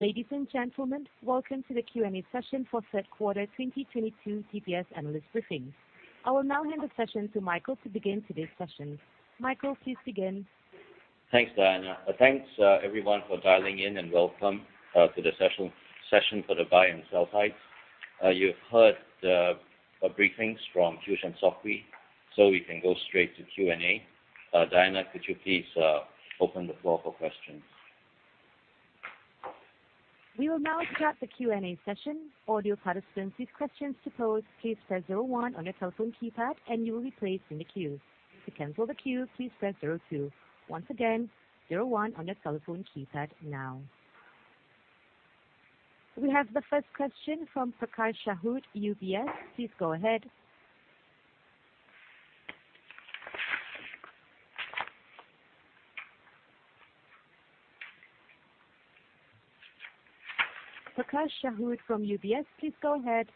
Ladies and gentlemen, welcome to the Q&A Session for Third Quarter 2022 DBS Analyst Briefing. I will now hand the session to Michael to begin today's session. Michael, please begin. Thanks, Diana. Thanks, everyone for dialing in and welcome to the session for the buy and sell side. You've heard the briefings from Piyush Gupta and Chng Sok Hui, so we can go straight to Q&A. Diana, could you please open the floor for questions? We will now start the Q&A session. Audio participants with questions to pose, please press zero one on your telephone keypad, and you will be placed in the queue. To cancel the queue, please press zero two. Once again, zero one on your telephone keypad now. We have the first question from Prakash Sahoo, UBS. Please go ahead. Prakash Sahoo from UBS, please go ahead.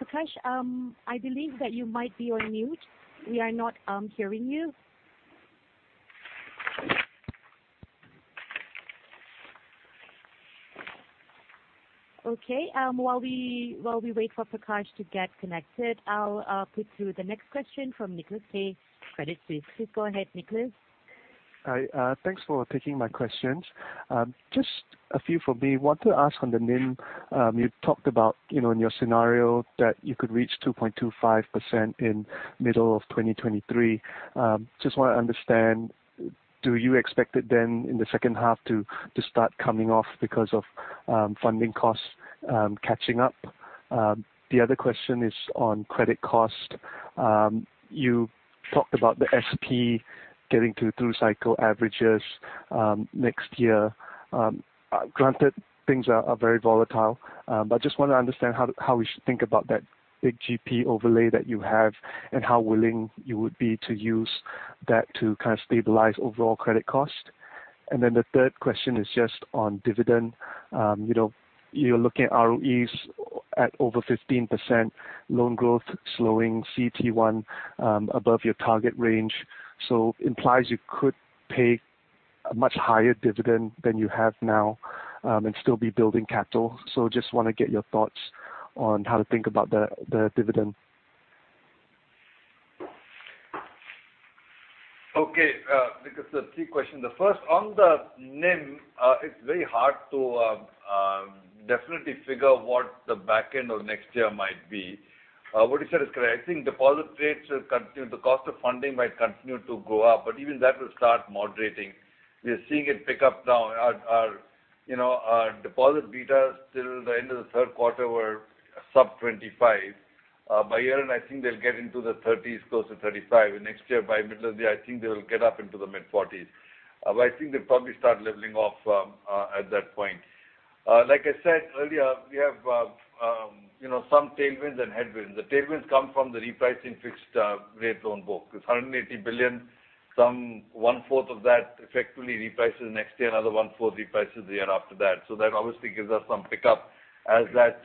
Prakash, I believe that you might be on mute. We are not hearing you. Okay, while we wait for Prakash to get connected, I'll put through the next question from Nicholas Teh, Credit Suisse. Please go ahead, Nicholas. Hi. Thanks for taking my questions. Just a few from me. Want to ask on the NIM, you talked about, you know, in your scenario that you could reach 2.25% in middle of 2023. Just want to understand, do you expect it then in the second half to start coming off because of funding costs catching up? The other question is on credit cost. You talked about the SP getting to through cycle averages next year. Granted things are very volatile, but just want to understand how we should think about that big GP overlay that you have and how willing you would be to use that to kind of stabilize overall credit cost. Then the third question is just on dividend. You know, you're looking at ROEs at over 15%, loan growth slowing CET1 above your target range. Implies you could pay a much higher dividend than you have now, and still be building capital. Just wanna get your thoughts on how to think about the dividend. Okay. Because the three questions. The first on the NIM. It's very hard to definitely figure what the back end of next year might be. What you said is correct. I think deposit rates will continue, the cost of funding might continue to go up, but even that will start moderating. We are seeing it pick up now. Our you know, our deposit beta till the end of the third quarter were sub-25%. By year end, I think they'll get into the 30s%, close to 35%. Next year by middle of the year, I think they will get up into the mid-40s%. But I think they'll probably start leveling off at that point. Like I said earlier, we have you know, some tailwinds and headwinds. The tailwinds come from the repricing fixed rate loan book. It's 180 billion, some 1/4 of that effectively reprices next year, another 1/4 reprices the year after that. That obviously gives us some pickup as that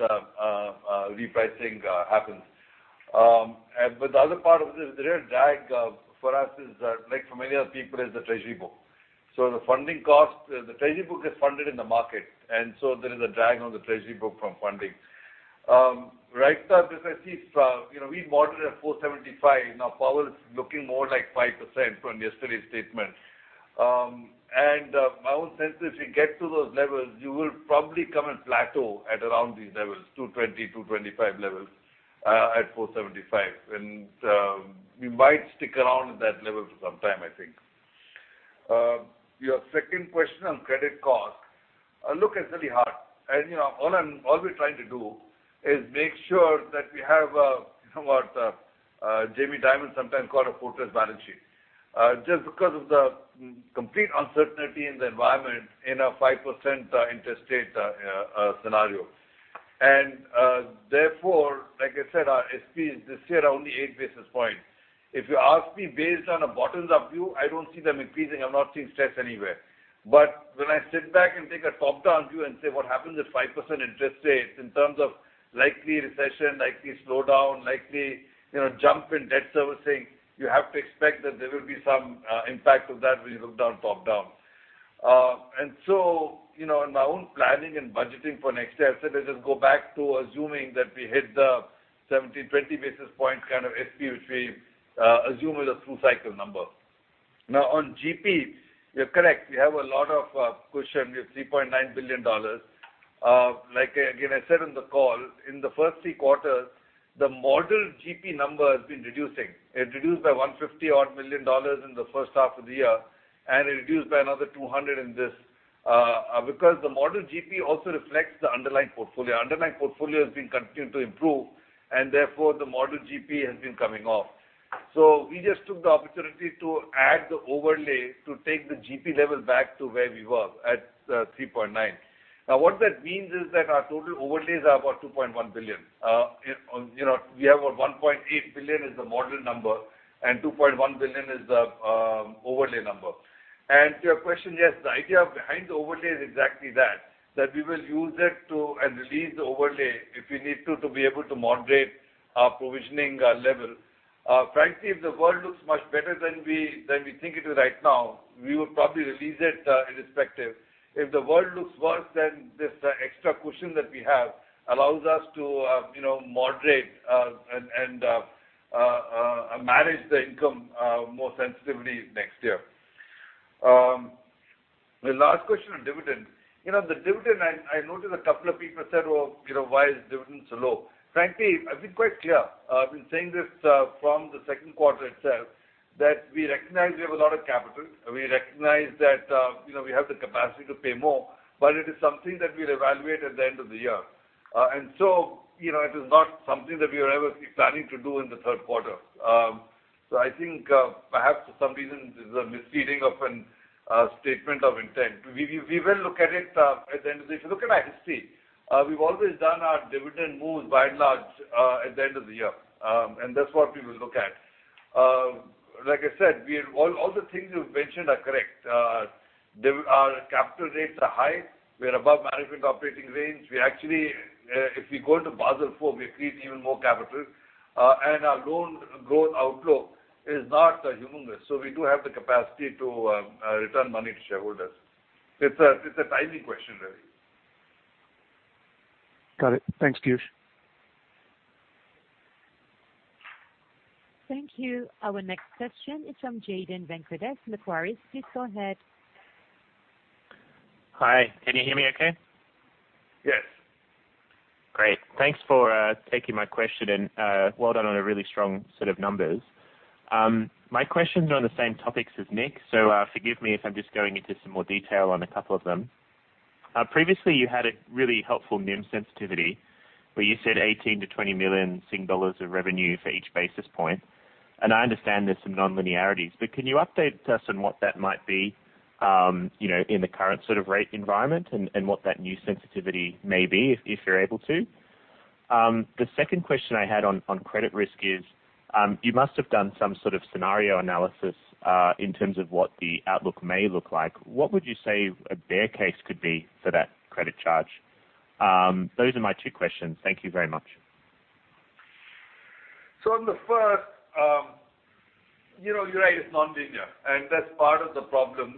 repricing happens. But the other part of this, the real drag, for us is, like for many other people is the treasury book. The funding cost, the treasury book is funded in the market, and so there is a drag on the treasury book from funding. Right now because I see, you know, we modeled at 4.75%, now Powell is looking more like 5% from yesterday's statement. My own sense if you get to those levels, you will probably come and plateau at around these levels, 2.20, 2.25 levels, at 4.75%. We might stick around at that level for some time, I think. Your second question on credit cost. Look, it's really hard. You know, all we're trying to do is make sure that we have, you know, what Jamie Dimon sometimes called a fortress balance sheet. Just because of the complete uncertainty in the environment in a 5% interest rate scenario. Therefore, like I said, our SP is this year only eight basis points. If you ask me based on a bottom-up view, I don't see them increasing. I've not seen stress anywhere. When I sit back and take a top-down view and say, what happens if 5% interest rates in terms of likely recession, likely slowdown, likely, you know, jump in debt servicing, you have to expect that there will be some impact of that when you look down top-down. You know, in my own planning and budgeting for next year, I said let's just go back to assuming that we hit the 17-20 basis points kind of SP, which we assume is a through cycle number. Now, on GP, you're correct. We have a lot of cushion. We have 3.9 billion dollars. Like again, I said in the call, in the first three quarters, the model GP number has been reducing. It reduced by 150 odd million in the first half of the year, and it reduced by another 200 million in this. Because the model GP also reflects the underlying portfolio. Underlying portfolio has been continuing to improve, and therefore the model GP has been coming off. We just took the opportunity to add the overlay to take the GP level back to where we were at, 3.9 billion. Now, what that means is that our total overlays are about 2.1 billion. You know, we have 1.8 billion is the model number, and 2.1 billion is the overlay number. To your question, yes, the idea behind the overlay is exactly that we will use it to and release the overlay if we need to be able to moderate our provisioning level. Frankly, if the world looks much better than we think it is right now, we will probably release it, irrespective. If the world looks worse, then this extra cushion that we have allows us to you know moderate and manage the income more sensitively next year. The last question on dividend. You know, the dividend I noticed a couple of people said, "Well, you know, why is dividends low?" Frankly, I've been quite clear. I've been saying this from the second quarter itself, that we recognize we have a lot of capital, and we recognize that you know we have the capacity to pay more, but it is something that we'll evaluate at the end of the year. You know, it is not something that we are ever planning to do in the third quarter. I think, perhaps for some reason, this is a misreading of a statement of intent. We will look at it at the end of this. If you look at our history, we've always done our dividend moves by and large at the end of the year. That's what we will look at. Like I said, all the things you've mentioned are correct. Our capital rates are high. We're above management operating range. We actually, if we go into Basel IV, we create even more capital, and our loan growth outlook is not humongous. We do have the capacity to return money to shareholders. It's a timing question, really. Got it. Thanks, Piyush. Thank you. Our next question is from Jayden Vantarakis from Macquarie. Please go ahead. Hi. Can you hear me okay? Yes. Great. Thanks for taking my question and well done on a really strong set of numbers. My questions are on the same topics as Nick, so forgive me if I'm just going into some more detail on a couple of them. Previously you had a really helpful NIM sensitivity where you said 18 million-20 million Sing dollars of revenue for each basis point, and I understand there's some nonlinearities. Can you update us on what that might be, you know, in the current sort of rate environment and what that new sensitivity may be if you're able to? The second question I had on credit risk is you must have done some sort of scenario analysis in terms of what the outlook may look like. What would you say a bear case could be for that credit charge? Those are my two questions. Thank you very much. On the first, you know, you're right, it's nonlinear, and that's part of the problem.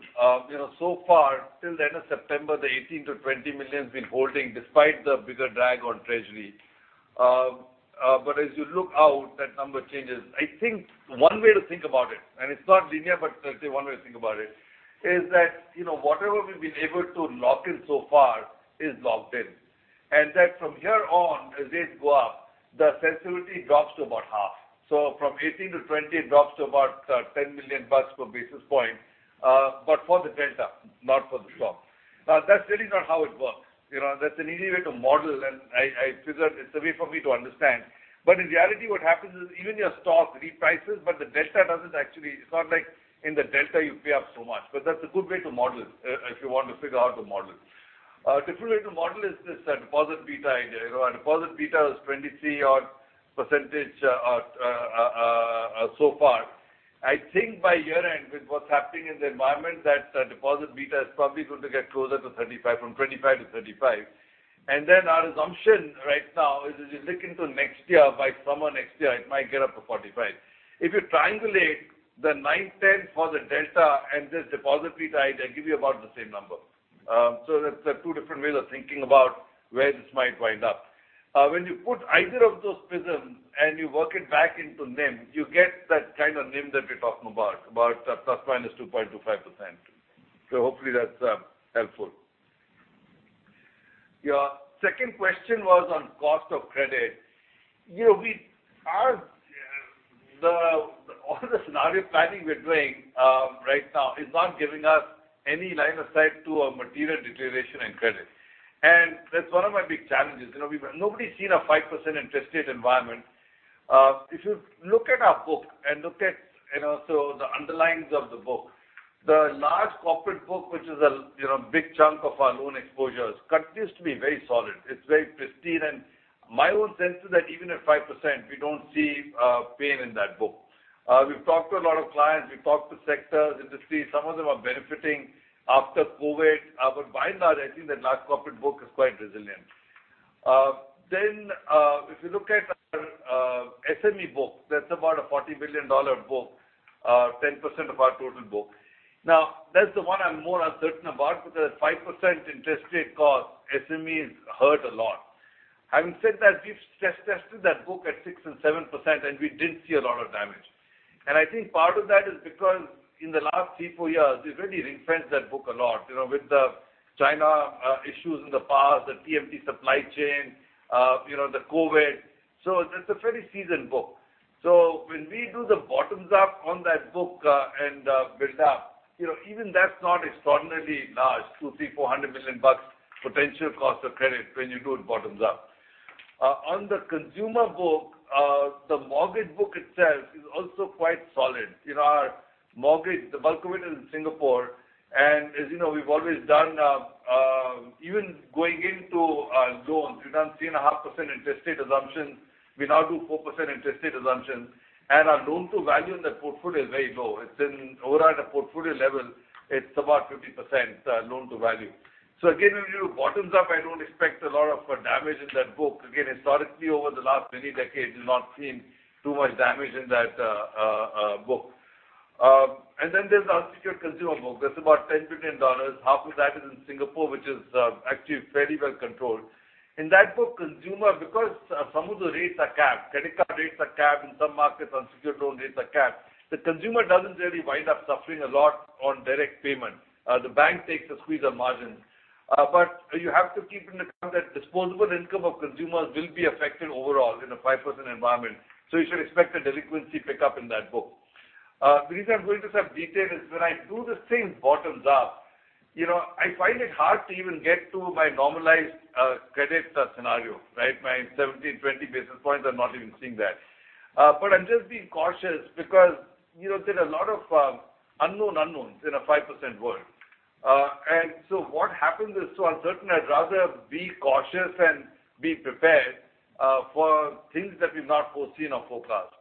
You know, so far, till the end of September, the 18-20 million has been holding despite the bigger drag on Treasury. But as you look out, that number changes. I think one way to think about it, and it's not linear, but I'll say one way to think about it, is that, you know, whatever we've been able to lock in so far is locked in. That from here on, as rates go up, the sensitivity drops to about half. From 18-20 million, it drops to about 10 million bucks per basis point, but for the delta, not for the stock. That's really not how it works. You know, that's an easy way to model, and I figure it's a way for me to understand. In reality, what happens is even your stock reprices, but the delta doesn't actually. It's not like in the delta you pay up so much, but that's a good way to model it, if you want to figure out the model. A different way to model is this, deposit beta idea. You know, our deposit beta is odd 23%, so far. I think by year-end, with what's happening in the environment, that deposit beta is probably going to get closer to 35%, from 25%-35%. Our assumption right now is as you look into next year, by summer next year, it might get up to 45%. If you triangulate the 9%-10% for the delta and this deposit beta idea, they give you about the same number. That's two different ways of thinking about where this might wind up. When you put either of those prisms and you work it back into NIM, you get that kind of NIM that we're talking about ±2.25%. Hopefully that's helpful. Your second question was on cost of credit. You know, all the scenario planning we're doing right now is not giving us any line of sight to a material deterioration in credit. That's one of my big challenges. You know, nobody's seen a 5% interest rate environment. If you look at our book and look at, you know, the underlyings of the book, the large corporate book, which is a, you know, big chunk of our loan exposures, continues to be very solid. It's very pristine. My own sense is that even at 5%, we don't see pain in that book. We've talked to a lot of clients, we've talked to sectors, industries. Some of them are benefiting after COVID. By and large, I think the large corporate book is quite resilient. If you look at our SME book, that's about a 40 billion dollar book, 10% of our total book. Now, that's the one I'm more uncertain about because at 5% interest rate cost, SMEs hurt a lot. Having said that, we've tested that book at 6% and 7%, and we didn't see a lot of damage. I think part of that is because in the last three four years, we've really ring-fenced that book a lot, you know, with the China issues in the past, the TMT supply chain, you know, the COVID. That's a very seasoned book. When we do the bottoms up on that book and build up, you know, even that's not extraordinarily large, 200 million-400 million bucks potential cost of credit when you do it bottoms up. On the consumer book, the mortgage book itself is also quite solid. You know, our mortgage, the bulk of it is in Singapore. As you know, we've always done even going into loans, we've done 3.5% interest rate assumption. We now do 4% interest rate assumptions, and our loan-to-value in that portfolio is very low. It's overall, at a portfolio level, it's about 50%, loan to value. So again, when you bottoms up, I don't expect a lot of damage in that book. Again, historically, over the last many decades, we've not seen too much damage in that book. There's the unsecured consumer book. That's about 10 billion dollars. Half of that is in Singapore, which is actually very well controlled. In that book, consumer, because some of the rates are capped, credit card rates are capped in some markets, unsecured loan rates are capped, the consumer doesn't really wind up suffering a lot on direct payment. The bank takes a squeeze on margin. You have to take into account that disposable income of consumers will be affected overall in a 5% environment. You should expect a delinquency pickup in that book. The reason I'm going into some detail is when I do the same bottoms-up, you know, I find it hard to even get to my normalized credit scenario, right? My 17-20 basis points, I'm not even seeing that. I'm just being cautious because, you know, there are a lot of unknown unknowns in a 5% world. What happens is so uncertain, I'd rather be cautious and be prepared for things that we've not foreseen or forecast.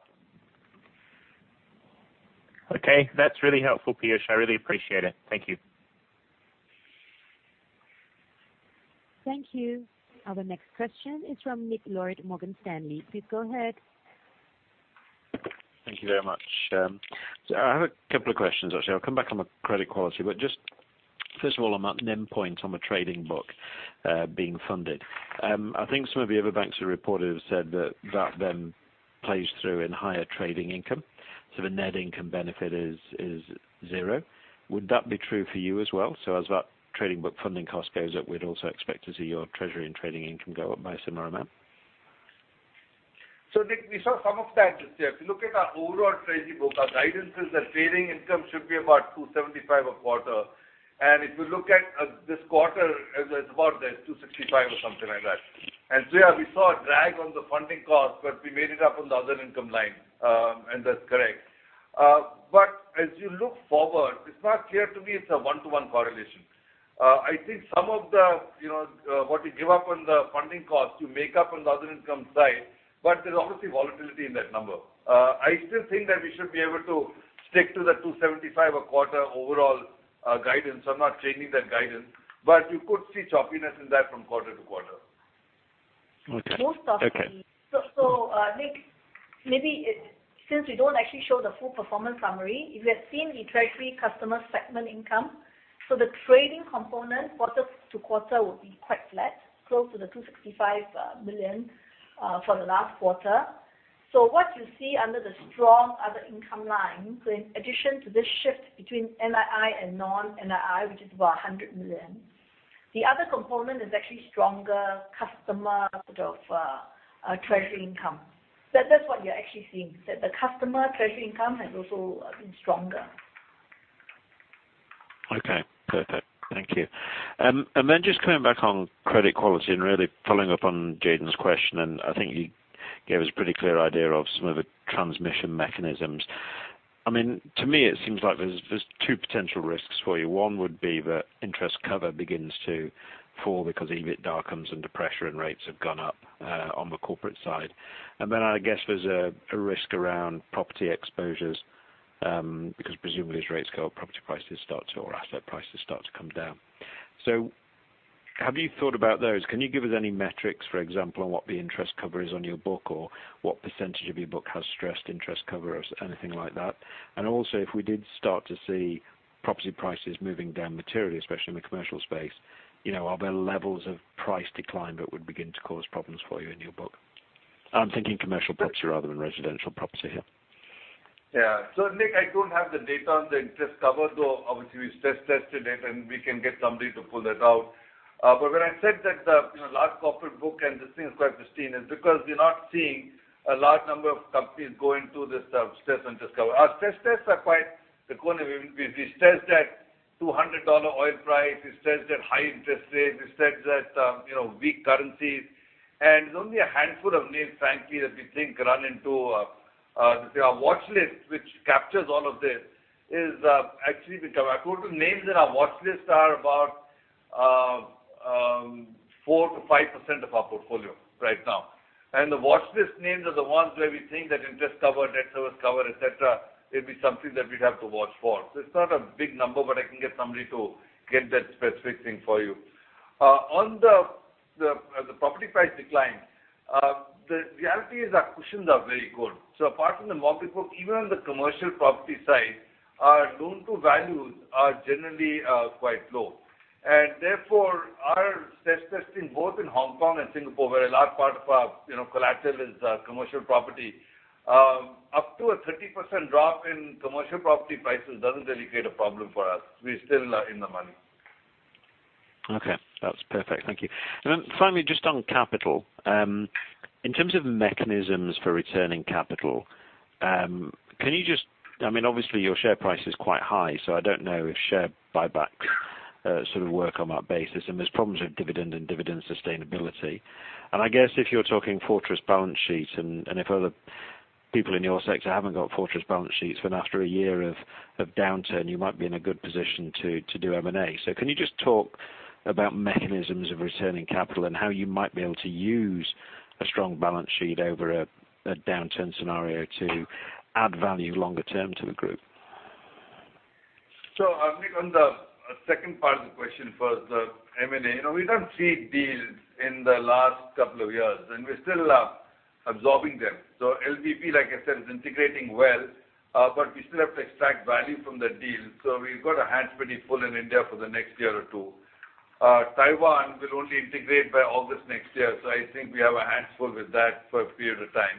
Okay. That's really helpful, Piyush. I really appreciate it. Thank you. Thank you. Our next question is from Nick Lord, Morgan Stanley. Please go ahead. Thank you very much. I have a couple of questions, actually. I'll come back on the credit quality. Just first of all, on that NIM point on the trading book, being funded. I think some of the other banks who reported have said that that then plays through in higher trading income. The net income benefit is zero. Would that be true for you as well? As that trading book funding cost goes up, we'd also expect to see your treasury and trading income go up by a similar amount? Nick, we saw some of that this year. If you look at our overall treasury book, our guidance is that trading income should be about 275 a quarter. If you look at this quarter, it's about that, 265 or something like that. Yeah, we saw a drag on the funding cost, but we made it up on the other income line, and that's correct. As you look forward, it's not clear to me it's a one-to-one correlation. I think some of the, you know, what you give up on the funding cost, you make up on the other income side, but there's obviously volatility in that number. I still think that we should be able to stick to the 275 a quarter overall guidance. I'm not changing that guidance, but you could see choppiness in that from quarter to quarter. Okay. Okay. Nick, since we don't actually show the full performance summary, if you had seen the treasury customer segment income, the trading component quarter to quarter would be quite flat, close to 265 million for the last quarter. What you see under the strong other income line, in addition to this shift between NII and non-NII, which is about 100 million, the other component is actually stronger customer sort of treasury income. That's what you're actually seeing, that the customer treasury income has also been stronger. Okay. Perfect. Thank you. Just coming back on credit quality and really following up on Jayden's question, and I think you gave us a pretty clear idea of some of the transmission mechanisms. I mean, to me it seems like there's two potential risks for you. One would be that interest cover begins to fall because EBITDA comes under pressure and rates have gone up on the corporate side. I guess there's a risk around property exposures, because presumably as rates go up, property prices start to or asset prices start to come down. Have you thought about those? Can you give us any metrics, for example, on what the interest cover is on your book or what percentage of your book has stressed interest cover or anything like that? Also, if we did start to see property prices moving down materially, especially in the commercial space, you know, are there levels of price decline that would begin to cause problems for you in your book? I'm thinking commercial property rather than residential property here. Yeah. Nick, I don't have the data on the interest cover, though obviously we stress tested it and we can get somebody to pull that out. When I said that the, you know, large corporate book and this thing is quite pristine, it's because we're not seeing a large number of companies going through this stress and interest cover. We stress test at $200 oil price, we stress test at high interest rates, we stress test, you know, weak currencies. There's only a handful of names, frankly, that we think run into our watch list, which captures all of this. Total names in our watch list are about 4%-5% of our portfolio right now. The watch list names are the ones where we think that interest cover, debt service cover, et cetera, it'd be something that we'd have to watch for. So it's not a big number, but I can get somebody to get that specific thing for you. On the property price decline, the reality is our cushions are very good. So apart from the mortgage book, even on the commercial property side, our loan to values are generally quite low. Therefore, our stress testing both in Hong Kong and Singapore, where a large part of our, you know, collateral is commercial property, up to a 30% drop in commercial property prices doesn't really create a problem for us. We still are in the money. Okay. That's perfect. Thank you. Then finally, just on capital, in terms of mechanisms for returning capital, can you just I mean, obviously your share price is quite high, so I don't know if share buyback sort of work on that basis, and there's problems with dividend and dividend sustainability. I guess if you're talking fortress balance sheet and if other people in your sector haven't got fortress balance sheets, but after a year of downturn, you might be in a good position to do M&A. Can you just talk about mechanisms of returning capital and how you might be able to use a strong balance sheet over a downturn scenario to add value longer term to the group? I'll speak on the second part of the question first, the M&A. You know, we don't see deals in the last couple of years, and we're still absorbing them. LVB, like I said, is integrating well, but we still have to extract value from the deal. We've got our hands pretty full in India for the next year or two. Taiwan will only integrate by August next year, so I think we have our hands full with that for a period of time.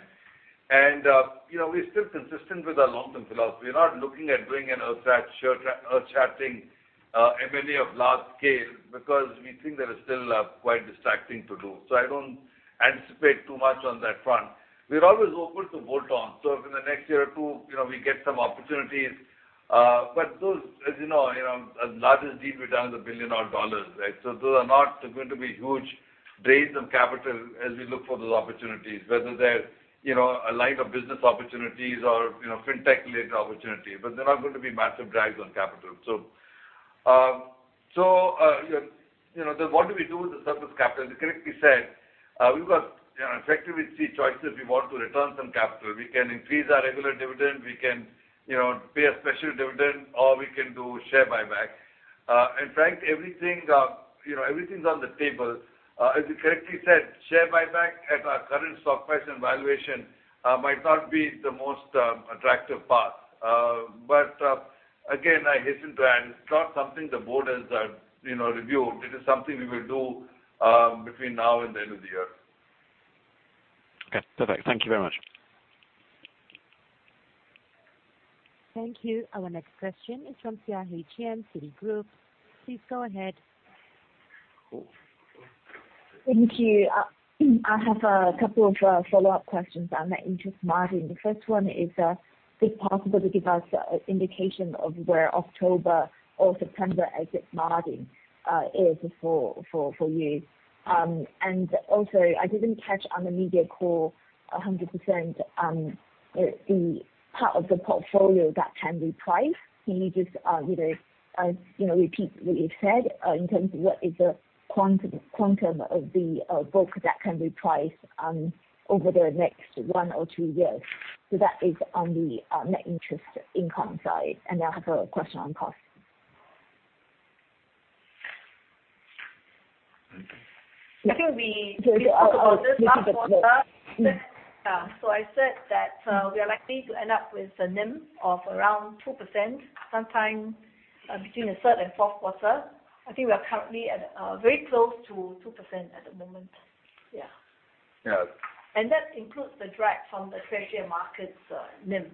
You know, we're still consistent with our long-term philosophy. We're not looking at doing an earth-shattering M&A of large scale because we think there is still quite distracting to do. I don't anticipate too much on that front. We're always open to bolt-ons, so if in the next year or two, you know, we get some opportunities. But those, as you know, as large a deal we've done is 1 billion dollars, right? Those are not going to be huge drains on capital as we look for those opportunities, whether they're, you know, a line of business opportunities or, you know, fintech-led opportunity. But they're not going to be massive drags on capital. Then what do we do with the surplus capital? You correctly said, we've got, you know, effectively three choices. We want to return some capital. We can increase our regular dividend, we can, you know, pay a special dividend, or we can do share buyback. In fact, everything, you know, everything's on the table. As you correctly said, share buyback at our current stock price and valuation might not be the most attractive path. Again, I hasten to add it's not something the board has, you know, reviewed. It is something we will do between now and the end of the year. Okay. Perfect. Thank you very much. Thank you. Our next question is from Yong Hong Tan, Citigroup. Please go ahead. Thank you. I have a couple of follow-up questions on the interest margin. The first one is, if possible, to give us indication of where October or September exit margin is for you. And also, I didn't catch on the media call 100%, the part of the portfolio that can reprice. Can you just, you know, repeat what you said, in terms of what is the quantum of the book that can reprice, over the next one or two years? So that is on the net interest income side. And I have a question on cost. I think we. Sorry. Go ahead. We spoke about this last quarter. Please. Yeah. I said that we are likely to end up with a NIM of around 2%, sometime between the third and fourth quarter. I think we are currently at very close to 2% at the moment. Yeah. Yeah. That includes the drag from the Treasury & Markets, NIM.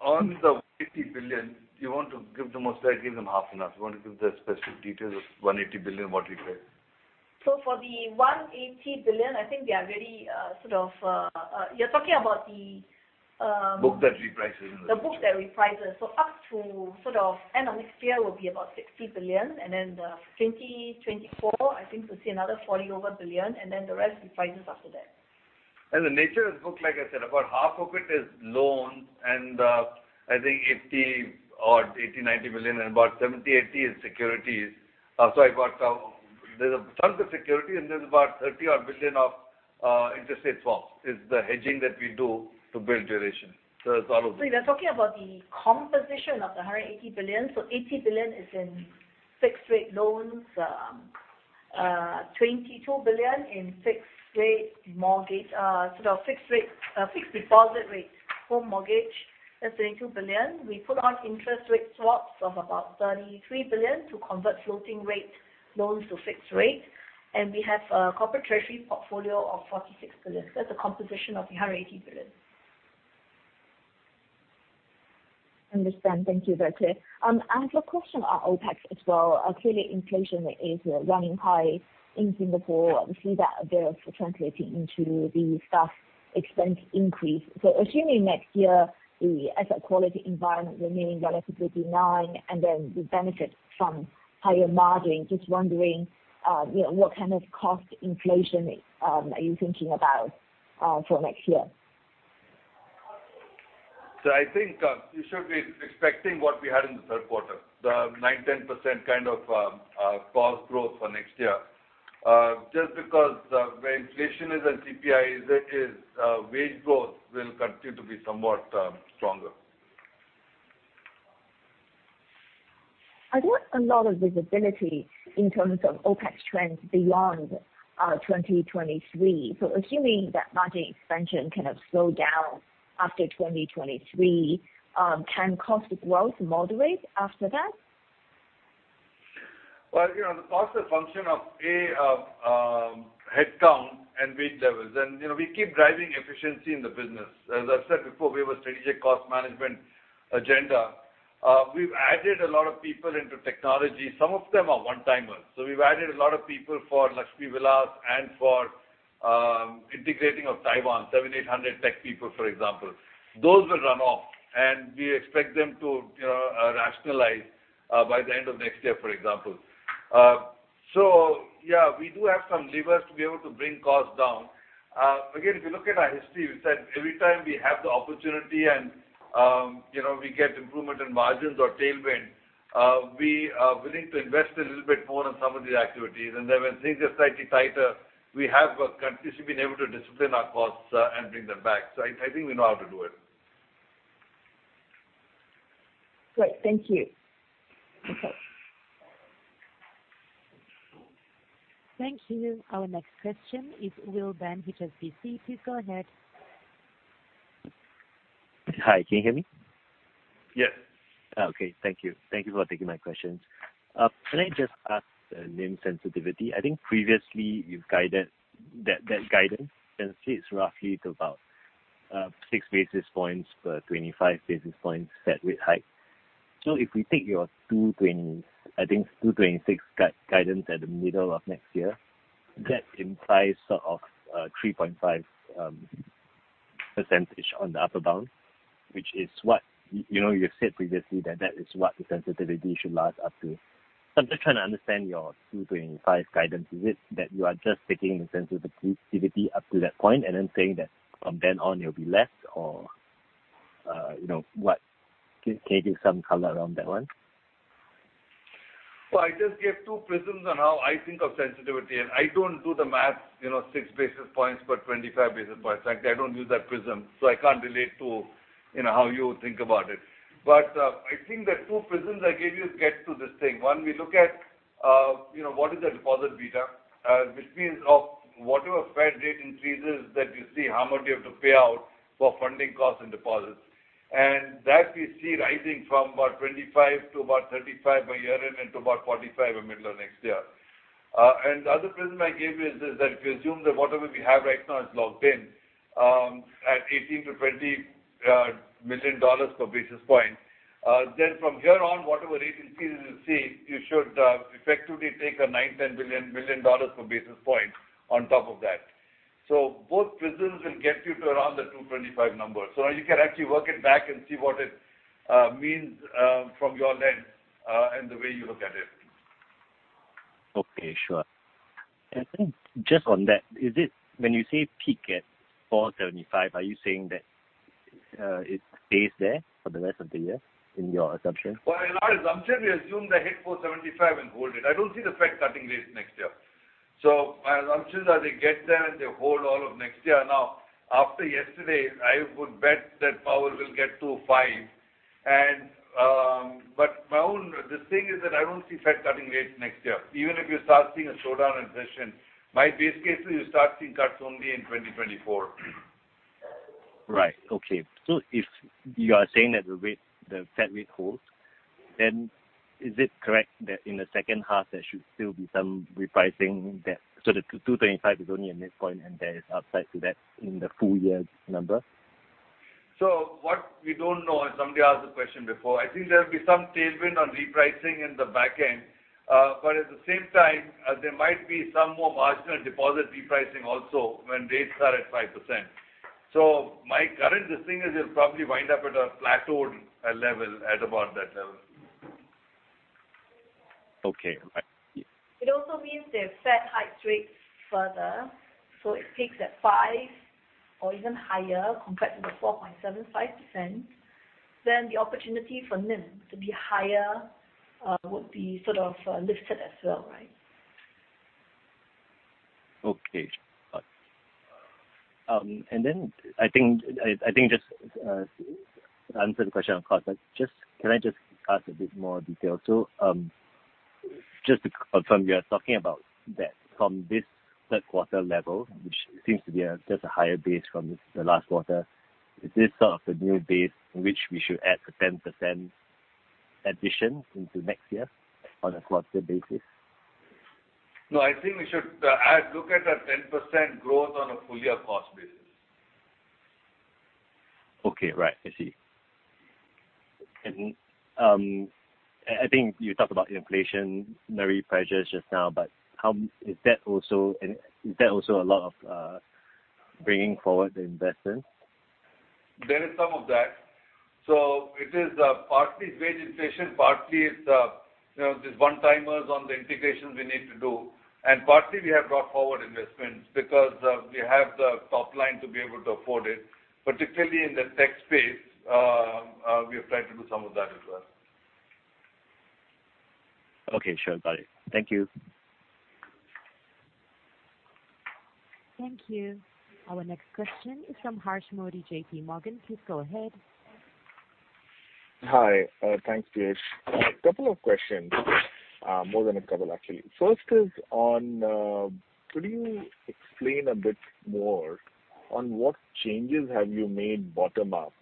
On the 80 billion, you want to give the most, I give them half enough. You want to give the specific details of 180 billion, what we get. For the 180 billion, I think we are very sort of. You're talking about the, Book that reprices. The book that reprices. Up to sort of end of this year will be about 60 billion, and then 2024, I think we'll see another 40-odd billion, and then the rest reprices after that. The nature of the book, like I said, about half of it is loans and I think 80 billion-90 billion and about 70 billion-80 billion is securities. There's a ton of securities and there's about 30-odd billion of interest rate swaps, the hedging that we do to build duration. It's all of. You are talking about the composition of the 180 billion. 80 billion is in fixed rate loans, 22 billion in fixed rate mortgage, sort of fixed rate, fixed deposit rates for mortgage. That's 22 billion. We put on interest rate swaps of about 33 billion to convert floating rate loans to fixed rate. We have a corporate treasury portfolio of 46 billion. That's the composition of the 180 billion. Understand. Thank you. Very clear. I have a question on OpEx as well. Clearly inflation is running high in Singapore. We see that translating into the staff expense increase. Assuming next year the asset quality environment remaining relatively benign and then the benefit from higher margin, just wondering, you know, what kind of cost inflation are you thinking about for next year? I think you should be expecting what we had in the third quarter, the 9%-10% kind of cost growth for next year. Just because where inflation is and CPI is, wage growth will continue to be somewhat stronger. I want a lot of visibility in terms of OpEx trends beyond 2023. Assuming that margin expansion kind of slow down after 2023, can cost growth moderate after that? Well, you know, the cost is a function of a headcount and wage levels. You know, we keep driving efficiency in the business. As I've said before, we have a strategic cost management agenda. We've added a lot of people into technology. Some of them are one-timers. We've added a lot of people for Lakshmi Vilas and for integrating of Taiwan, 700-800 tech people, for example. Those will run off and we expect them to, you know, rationalize by the end of next year, for example. Yeah, we do have some levers to be able to bring costs down. Again, if you look at our history, we said every time we have the opportunity and, you know, we get improvement in margins or tailwind, we are willing to invest a little bit more on some of these activities. Then when things are slightly tighter, we have got continuously been able to discipline our costs, and bring them back. I think we know how to do it. Great. Thank you. Okay. Thank you. Our next question is Weldon Sng, HSBC, please go ahead. Hi, can you hear me? Yes. Thank you. Thank you for taking my questions. Can I just ask NIM sensitivity? I think previously you've guided that that guidance translates roughly to about six basis points per 25 basis points Fed rate hike. If we take your 2.20%, I think 2.26% guidance at the middle of next year, that implies sort of 3.5% on the upper bound, which is what you know you've said previously that that is what the sensitivity should last up to. I'm just trying to understand your 2.25% guidance. Is it that you are just taking the sensitivity up to that point and then saying that from then on it'll be less? Or you know what can you give some color on that one? Well, I just gave two prisms on how I think of sensitivity. I don't do the math, you know, six basis points per 25 basis points. Like, I don't use that prism, so I can't relate to, you know, how you think about it. I think the two prisms I gave you get to this thing. One, we look at, you know, what is the deposit beta, which means of whatever Fed rate increases that you see, how much you have to pay out for funding costs and deposits. That we see rising from about 25 to about 35 by year-end and to about 45 in middle of next year. The other prism I gave you is that if you assume that whatever we have right now is locked in at 18 million-20 million dollars per basis point, then from here on, whatever rate increases you see, you should effectively take 90 million-100 million dollars per basis point on top of that. Both prisms will get you to around the 225 number. You can actually work it back and see what it means from your lens and the way you look at it. Okay. Sure. Just on that, is it when you say peak at 4.75%, are you saying that it stays there for the rest of the year in your assumption? Well, in our assumption, we assume they hit 4.75% and hold it. I don't see the Fed cutting rates next year. My assumption is that they get there and they hold all of next year. After yesterday, I would bet that Powell will get to 5%. The thing is that I don't see the Fed cutting rates next year. Even if you start seeing a slowdown in inflation, my base case is you start seeing cuts only in 2024. Right. Okay. If you are saying that the rate, the Fed rate holds, then is it correct that in the second half there should still be some repricing that. The 2.25% is only a midpoint and there is upside to that in the full year's number? What we don't know, and somebody asked the question before, I think there'll be some tailwind on repricing in the back end. At the same time, there might be some more marginal deposit repricing also when rates are at 5%. My current thinking is it'll probably wind up at a plateaued level at about that level. Okay. Right. Yeah. It also means the Fed hikes rates further. It peaks at 5% or even higher compared to the 4.75%. The opportunity for NIM to be higher would be sort of lifted as well, right? Okay. Got it. I think just to answer the question on cost. Can I just ask for a bit more detail? Just to confirm, you're talking about that from this third quarter level, which seems to be just a higher base from the last quarter. Is this sort of the new base in which we should add the 10% addition into next year on a quarter basis? No, I think we should look at a 10% growth on a full year cost basis. Okay. Right. I see. I think you talked about inflationary pressures just now, but how is that also a lot of bringing forward the investments? There is some of that. It is partly wage inflation, partly it's you know, these one-timers on the integrations we need to do, and partly we have brought forward investments because we have the top line to be able to afford it, particularly in the tech space, we have tried to do some of that as well. Okay, sure, got it. Thank you. Thank you. Our next question is from Harsh Modi, JPMorgan, please go ahead. Hi. Thanks, Piyush. A couple of questions. More than a couple actually. First is on, could you explain a bit more on what changes have you made bottom up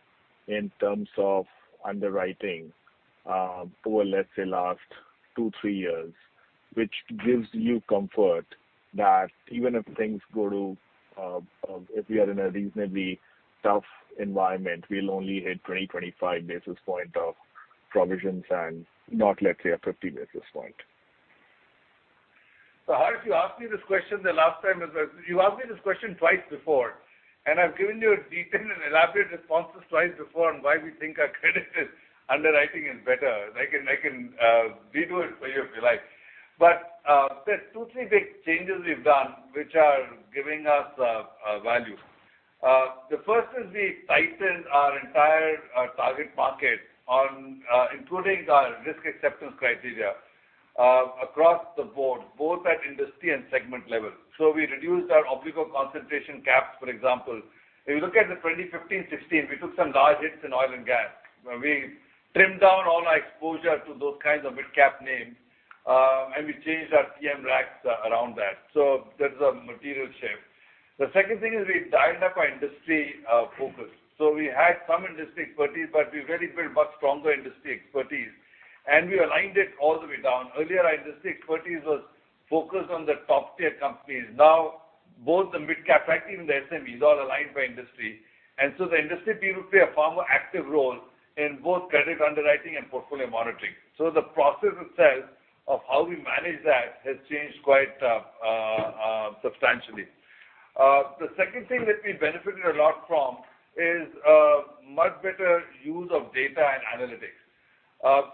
in terms of underwriting, over, let's say, last two, three years, which gives you comfort that even if things go to, if we are in a reasonably tough environment, we'll only hit 20-25 basis points of provisions and not, let's say, a 50 basis points? Harsh, you asked me this question the last time as well. You asked me this question twice before, and I've given you a detailed and elaborate responses twice before on why we think our credit underwriting is better. I can redo it for you if you like. There's two, three big changes we've done which are giving us value. The first is we tightened our entire target market on, including our risk acceptance criteria, across the board, both at industry and segment level. We reduced our obligor concentration caps, for example. If you look at the 2015, 2016, we took some large hits in oil and gas, where we trimmed down all our exposure to those kinds of midcap names, and we changed our TMRACs around that. There's a material shift. The second thing is we dialed up our industry focus. We had some industry expertise, but we really built much stronger industry expertise, and we aligned it all the way down. Earlier, our industry expertise was focused on the top tier companies. Now, both the midcap, actually even the SMEs, all aligned by industry. The industry people play a far more active role in both credit underwriting and portfolio monitoring. The process itself of how we manage that has changed quite substantially. The second thing that we benefited a lot from is much better use of data and analytics.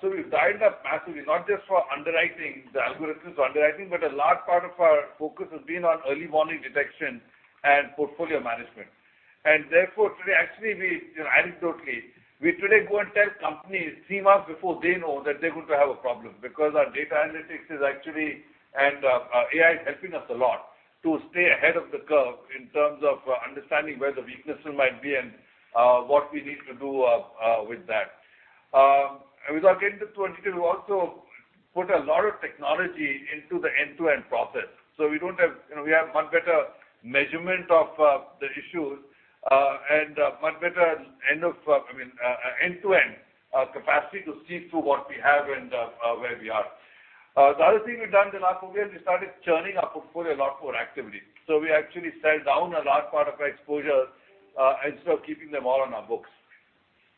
We've dialed up massively, not just for underwriting, the algorithms for underwriting, but a large part of our focus has been on early warning detection and portfolio management. Therefore, today, actually, we, you know, anecdotally, we today go and tell companies three months before they know that they're going to have a problem because our data analytics is actually, and our AI is helping us a lot to stay ahead of the curve in terms of understanding where the weaknesses might be and what we need to do with that. As we got into 2022, we also put a lot of technology into the end-to-end process. We don't have. You know, we have much better measurement of the issues and much better end-to-end capacity to see through what we have and where we are. The other thing we've done in the last four years, we started churning our portfolio a lot more actively. We actually sell down a large part of our exposure, instead of keeping them all on our books.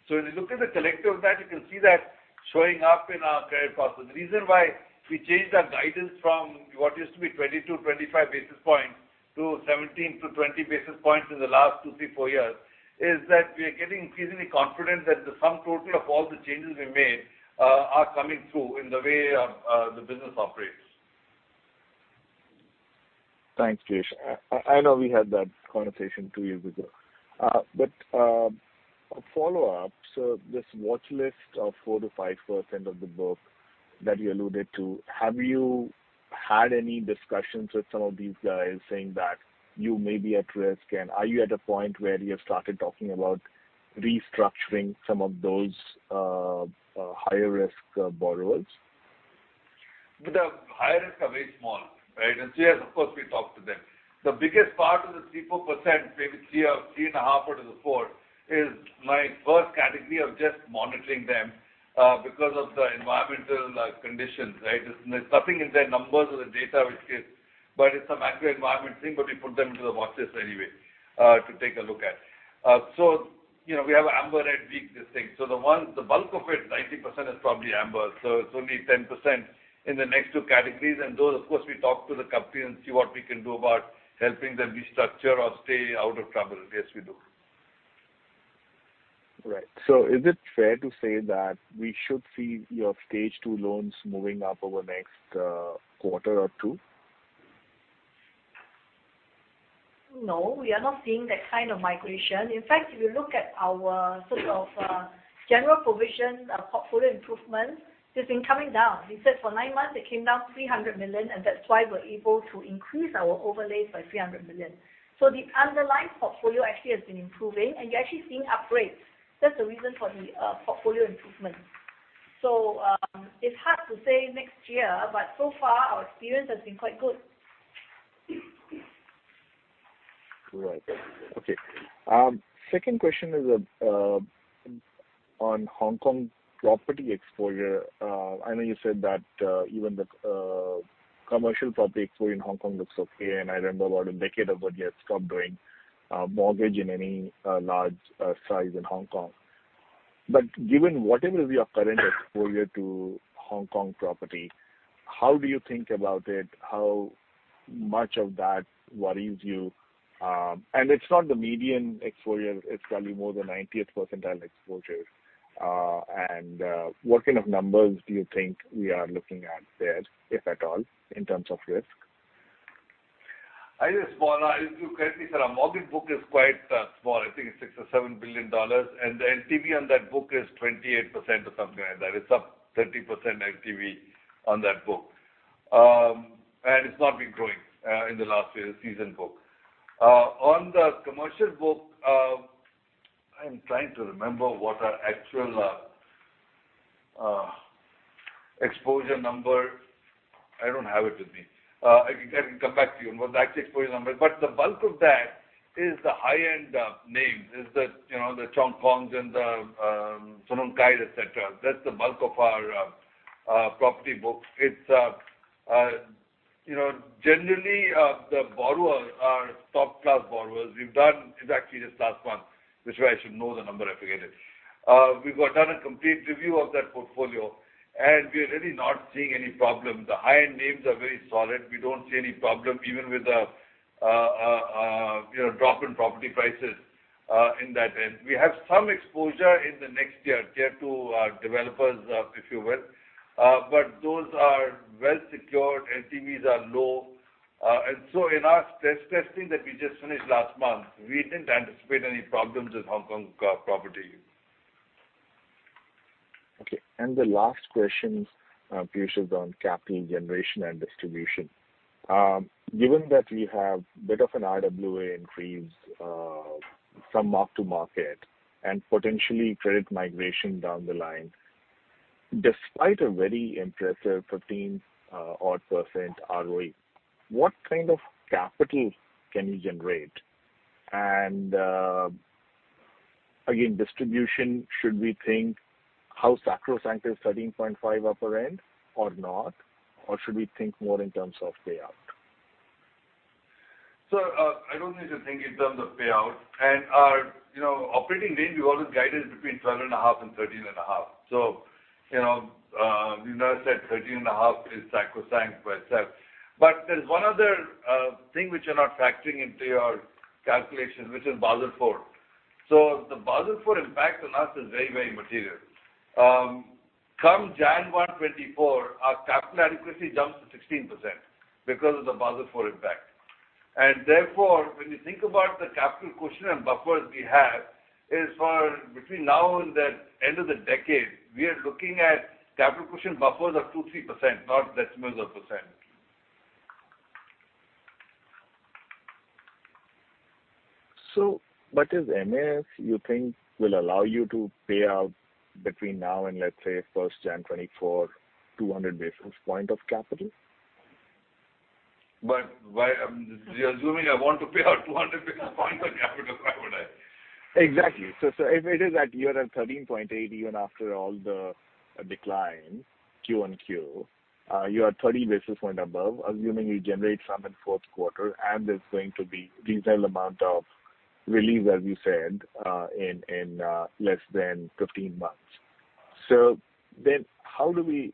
If you look at the collective of that, you can see that showing up in our credit process. The reason why we changed our guidance from what used to be 20-25 basis points to 17-20 basis points in the last 2, 3, 4 years is that we are getting increasingly confident that the sum total of all the changes we made, are coming through in the way, the business operates. Thanks, Piyush. I know we had that conversation two years ago. A follow-up. This watchlist of 4%-5% of the book that you alluded to, have you had any discussions with some of these guys saying that you may be at risk? And are you at a point where you have started talking about restructuring some of those higher risk borrowers? The higher risk are very small, right? Yes, of course, we talk to them. The biggest part of the 3%-4%, maybe 3% or 3.5% out of the 4%, is my first category of just monitoring them, because of the environmental conditions, right? There's nothing in their numbers or the data. But it's a macro environment thing, but we put them into the watchlist anyway, to take a look at. You know, we have amber and weak, these things. The ones, the bulk of it, 90% is probably amber. It's only 10% in the next two categories. Those, of course, we talk to the company and see what we can do about helping them restructure or stay out of trouble. Yes, we do. Right. Is it fair to say that we should see your stage two loans moving up over the next quarter or two? No, we are not seeing that kind of migration. In fact, if you look at our sort of general provision portfolio improvement, it's been coming down. We said for nine months it came down 300 million, and that's why we're able to increase our overlays by 300 million. The underlying portfolio actually has been improving, and you're actually seeing upgrades. That's the reason for the portfolio improvement. It's hard to say next year, but so far our experience has been quite good. Right. Okay. Second question is on Hong Kong property exposure. I know you said that even the commercial property exposure in Hong Kong looks okay, and I remember about a decade ago you had stopped doing mortgage in any large size in Hong Kong. Given whatever is your current exposure to Hong Kong property, how do you think about it? How much of that worries you? It's not the median exposure, it's probably more the 19th percentile exposure. What kind of numbers do you think we are looking at there, if at all, in terms of risk? If you correctly said our mortgage book is quite small. I think it's 6 billion or 7 billion dollars. The LTV on that book is 28% or something like that. It's up 30% LTV on that book. It's not been growing in the last few years in the book. On the commercial book, I'm trying to remember what our actual exposure number. I don't have it with me. I can come back to you on what the actual exposure number is. But the bulk of that is the high-end names. It's the, you know, the Cheung Kong and the Sun Hung Kai, et cetera. That's the bulk of our property book. It's, you know, generally, the borrowers are top-class borrowers. We've done exactly this last month, which I should know the number. I forget it. We've done a complete review of that portfolio, and we're really not seeing any problem. The high-end names are very solid. We don't see any problem even with the drop in property prices in that end. We have some exposure in the next year, tier two developers, if you will. Those are well secured, LTVs are low. In our stress testing that we just finished last month, we didn't anticipate any problems with Hong Kong property. Okay. The last question, Piyush, is on capital generation and distribution. Given that we have a bit of an RWA increase from mark-to-market and potentially credit migration down the line, despite a very impressive 15% ROE, what kind of capital can you generate? Again, distribution, should we think how sacrosanct is the 13.5% upper end or not? Or should we think more in terms of payout? I don't need to think in terms of payout. Our, you know, operating range, we always guided between 12.5% and 13.5%. You know, we never said 13.5% is sacrosanct by itself. There's one other thing which you're not factoring into your calculation, which is Basel IV. The Basel IV impact on us is very, very material. Come January 1, 2024, our capital adequacy jumps to 16% because of the Basel IV impact. Therefore, when you think about the capital cushion and buffers we have, it's for between now and the end of the decade. We are looking at capital cushion buffers of 2%-3%, not decimals of percent. What is MAF you think will allow you to pay out between now and let's say first January 2024, 200 basis points of capital? Why you're assuming I want to pay out 200 basis points when you have to decide what I- Exactly. If it is at year end 13.8% even after all the decline quarter-on-quarter, you are 30 basis points above, assuming you generate some in fourth quarter, and there's going to be reasonable amount of relief, as you said, in less than 15 months. How do we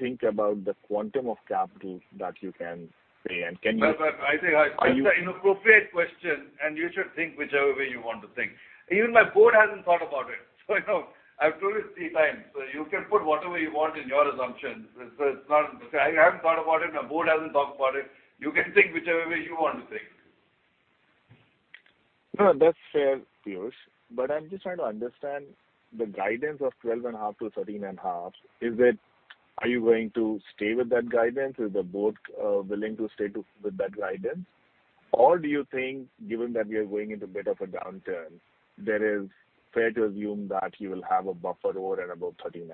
think about the quantum of capital that you can pay? Can you? That I think that's. Are you? An appropriate question, and you should think whichever way you want to think. Even my board hasn't thought about it. You know, I've told you three times. You can put whatever you want in your assumptions. It's not. I haven't thought about it, my board hasn't talked about it. You can think whichever way you want to think. No, that's fair, Piyush. I'm just trying to understand the guidance of 12.5%-13.5%. Are you going to stay with that guidance? Is the board willing to stay with that guidance? Or do you think, given that we are going into a bit of a downturn, that is fair to assume that you will have a buffer over and above 13.5%?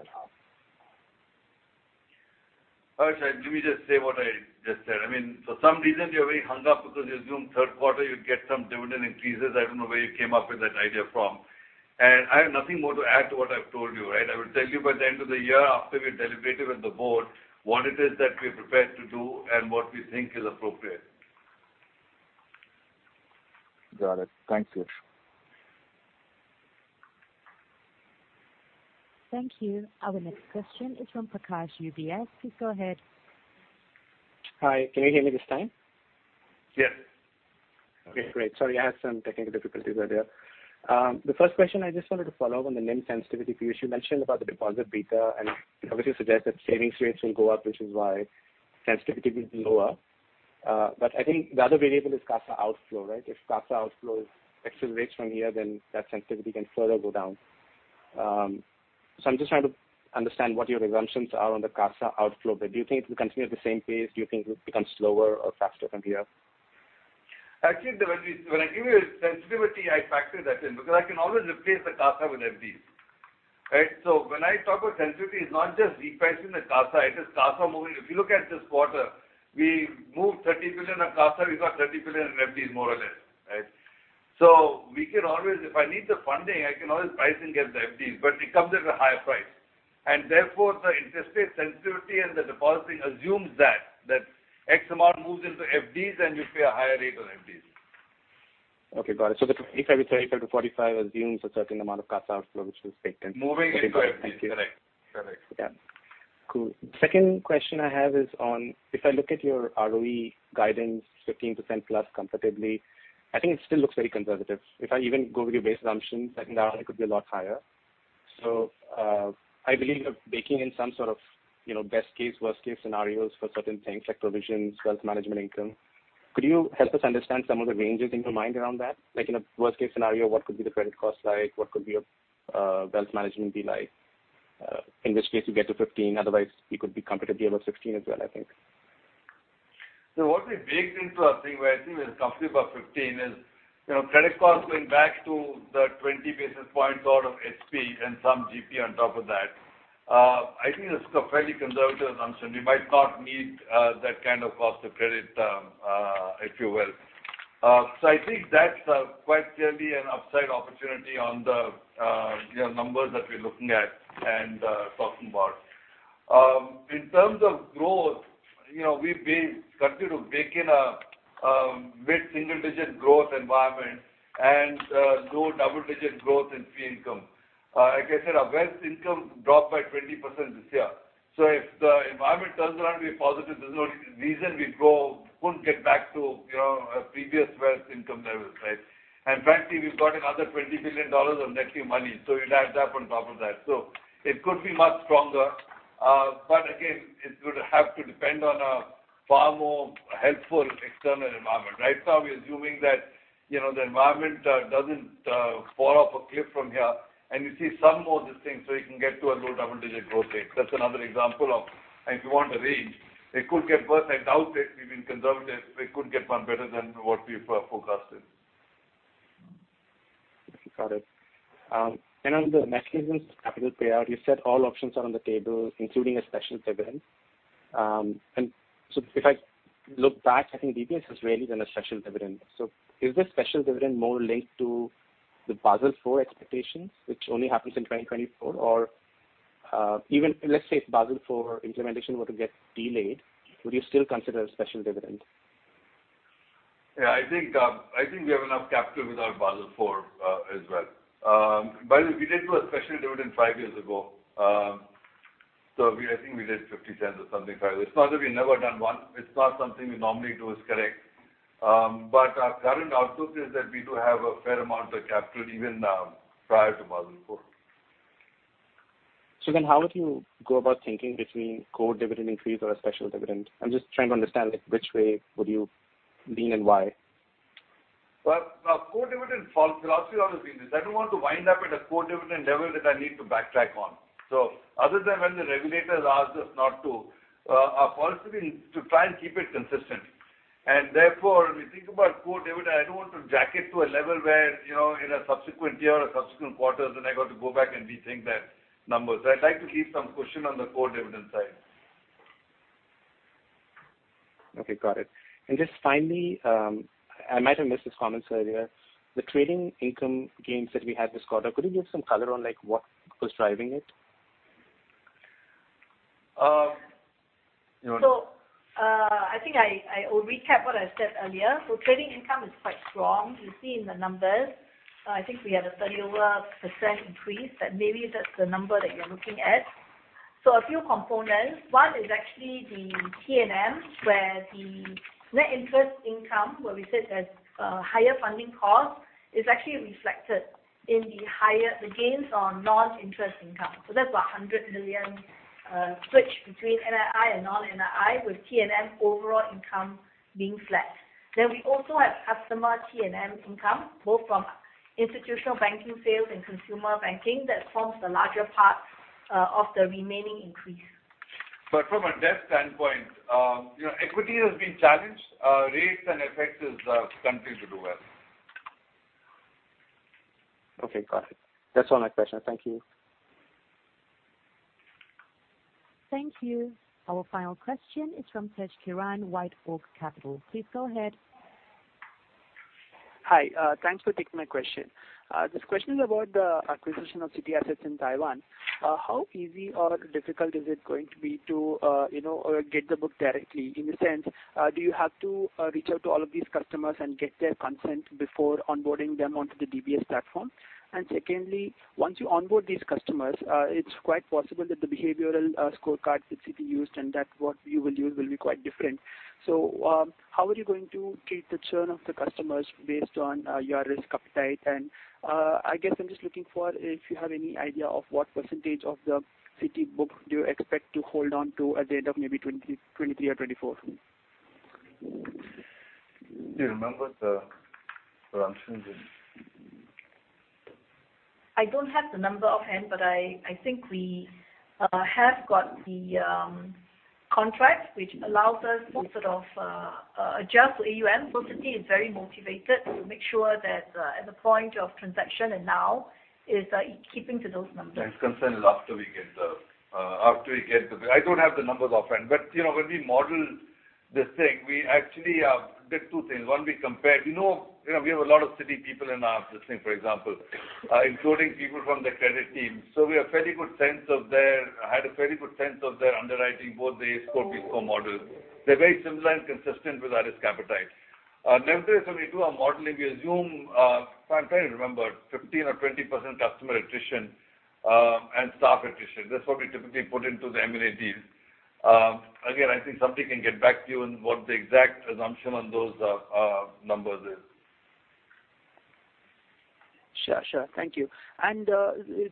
Harsh, let me just say what I just said. I mean, for some reason, you're very hung up because you assume third quarter you'd get some dividend increases. I don't know where you came up with that idea from. I have nothing more to add to what I've told you, right? I will tell you by the end of the year after we've deliberated with the board what it is that we're prepared to do and what we think is appropriate. Got it. Thank you. Thank you. Our next question is from Aakash Rawat, UBS. Please go ahead. Hi. Can you hear me this time? Yes. Okay, great. Sorry, I had some technical difficulties earlier. The first question, I just wanted to follow up on the NIM sensitivity, Piyush. You mentioned about the deposit beta and obviously suggest that savings rates will go up, which is why sensitivity will be lower. I think the other variable is CASA outflow, right? If CASA outflow accelerates from here, then that sensitivity can further go down. I'm just trying to understand what your assumptions are on the CASA outflow bit. Do you think it will continue at the same pace? Do you think it will become slower or faster from here? Actually, when I give you a sensitivity, I factor that in because I can always replace the CASA with FDs, right? When I talk about sensitivity, it's not just repricing the CASA, it is CASA moving. If you look at this quarter, we moved 30 billion of CASA, we got 30 billion in FDs more or less, right? If I need the funding, I can always price and get the FDs, but it comes at a higher price. Therefore, the interest rate sensitivity and the deposit assumes that that X amount moves into FDs and you pay a higher rate on FDs. Okay, got it. The 25 to 35 to 45 assumes a certain amount of CASA outflow, which was baked in. Moving into FDs. Okay. Got it. Thank you. Correct. Yeah. Cool. Second question I have is on if I look at your ROE guidance, 15% plus comfortably, I think it still looks very conservative. If I even go with your base assumptions, I think the ROE could be a lot higher. I believe you're baking in some sort of, you know, best-case, worst-case scenarios for certain things like provisions, wealth management income. Could you help us understand some of the ranges in your mind around that? Like in a worst-case scenario, what could be the credit cost like? What could be your wealth management be like? In which case you get to 15%, otherwise you could be comfortably above 16% as well, I think. What we baked into our thing, where I think we're comfortable above 15 is, you know, credit costs going back to the 20 basis points out of SP and some GP on top of that. I think it's a fairly conservative assumption. We might not need that kind of cost of credit, if you will. I think that's quite clearly an upside opportunity on the, you know, numbers that we're looking at and talking about. In terms of growth, you know, we've been continue to bake in a mid-single digit growth environment and low double-digit growth in fee income. Like I said, our wealth income dropped by 20% this year. If the environment turns around to be positive, there's no reason we wouldn't get back to, you know, our previous wealth income levels, right? Frankly, we've got another 20 billion dollars of net new money, so it adds up on top of that. It could be much stronger. But again, it's gonna have to depend on a far more helpful external environment. Right now, we're assuming that, you know, the environment doesn't fall off a cliff from here and you see some more distinct, so you can get to a low double-digit growth rate. That's another example of if you want a range, it could get worse. I doubt it. We've been conservative. It could get far better than what we forecasted. Got it. On the mechanics of capital payout, you said all options are on the table, including a special dividend. If I look back, I think DBS has rarely done a special dividend. Is this special dividend more linked to the Basel IV expectations, which only happens in 2024? Or even let's say if Basel IV implementation were to get delayed, would you still consider a special dividend? Yeah, I think we have enough capital without Basel IV, as well. By the way, we did do a special dividend five years ago. I think we did 0.50 or something. It's not that we've never done one. It's not something we normally do, is correct. Our current outlook is that we do have a fair amount of capital even prior to Basel IV. How would you go about thinking between core dividend increase or a special dividend? I'm just trying to understand, like, which way would you lean and why? Well, our core dividend philosophy has always been this. I don't want to wind up at a core dividend level that I need to backtrack on. Other than when the regulators ask us not to, our policy is to try and keep it consistent. Therefore, when we think about core dividend, I don't want to jack it to a level where, you know, in a subsequent year or subsequent quarters, then I got to go back and rethink that number. I'd like to keep some cushion on the core dividend side. Okay, got it. Just finally, I might have missed these comments earlier. The trading income gains that we had this quarter, could you give some color on, like, what was driving it? You know what? I think I will recap what I said earlier. Trading income is quite strong. You see in the numbers, I think we had an over 30% increase, but maybe that's the number that you're looking at. A few components. One is actually the T&M, where the net interest income, where we said there's higher funding costs, is actually reflected in the gains on non-interest income. That's about 100 million switch between NII and non-NII, with T&M overall income being flat. Then we also have customer T&M income, both from institutional banking sales and consumer banking that forms the larger part of the remaining increase. From a debt standpoint, you know, equity has been challenged. Rates and FX has continued to do well. Okay, got it. That's all my questions. Thank you. Thank you. Our final question is from Tejkiran Magesh, White Oak Capital. Please go ahead. Hi. Thanks for taking my question. This question is about the acquisition of Citi assets in Taiwan. How easy or difficult is it going to be to, you know, get the book directly? In a sense, do you have to reach out to all of these customers and get their consent before onboarding them onto the DBS platform? Secondly, once you onboard these customers, it's quite possible that the behavioral scorecard that Citi used and that what you will use will be quite different. How are you going to treat the churn of the customers based on your risk appetite? I guess I'm just looking for if you have any idea of what percentage of the Citi book do you expect to hold on to at the end of maybe 2023 or 2024? Do you remember the assumptions? I don't have the number offhand, but I think we have got the contract which allows us to sort of adjust AUM. Citi is very motivated to make sure that at the point of transaction and now is keeping to those numbers. That concern is after we get the. I don't have the numbers offhand, but you know, when we model this thing, we actually did two things. One, we compared you know, we have a lot of Citi people in our system, for example, including people from the credit team. So we had a very good sense of their underwriting, both the scorecard, FICO model. They're very similar and consistent with our risk appetite. Nevertheless, when we do our modeling, we assume I'm trying to remember, 15%-20% customer attrition and staff attrition. That's what we typically put into the M&A deals. Again, I think somebody can get back to you on what the exact assumption on those numbers is. Sure, sure. Thank you.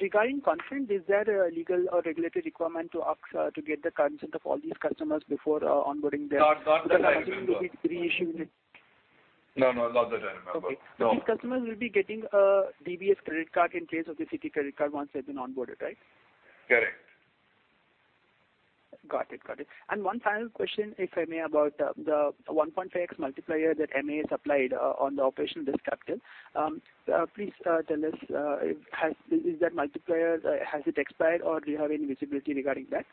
Regarding consent, is there a legal or regulatory requirement to ask to get the consent of all these customers before onboarding them? Not that I remember. Because I assume you'll be reissuing it. No, no, not that I remember. No. Okay. These customers will be getting a DBS credit card in place of the Citi credit card once they've been onboarded, right? Correct. Got it. One final question, if I may, about the 1.5x multiplier that MAS has applied on the operational risk capital. Please tell us, is that multiplier has it expired or do you have any visibility regarding that?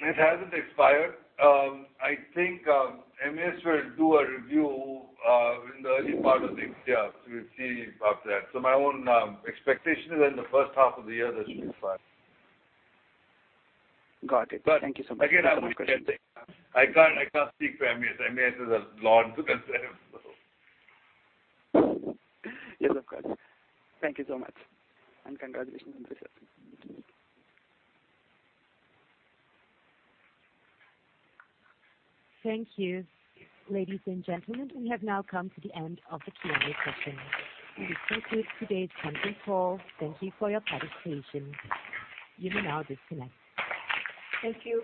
It hasn't expired. I think MAS will do a review in the early part of next year. We'll see after that. My own expectation is that in the first half of the year, that should be fine. Got it. Thank you so much. I can't speak for MAS. MAS has a lot to consider. Yes, of course. Thank you so much, and congratulations on this acquisition. Thank you. Ladies and gentlemen, we have now come to the end of the Q&A session. This concludes today's conference call. Thank you for your participation. You may now disconnect. Thank you.